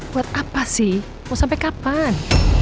buat apa sih mau sampai kapan